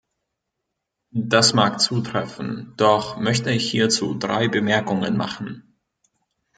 Das mag zutreffen, doch möchte ich hierzu drei Bemerkungen machen.